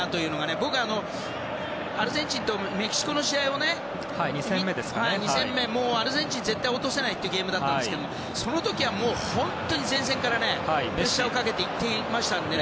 僕はアルゼンチンとメキシコの試合を２戦目のアルゼンチンは絶対落とせないゲームだったんですけどその時は、本当に前線からプレッシャーをかけていっていましたので。